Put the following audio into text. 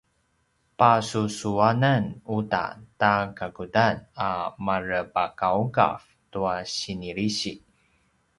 pasusuanan uta ta kakudan a marepagaugav tua sinilisi